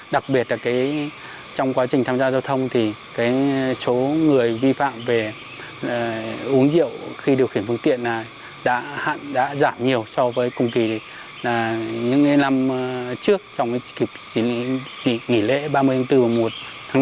đặc biệt là trong quá trình tham gia giao thông thì số người vi phạm về uống rượu khi điều khiển phương tiện đã giảm nhiều so với cùng kỳ những năm trước trong dịp nghỉ lễ ba mươi tháng bốn mùa một tháng năm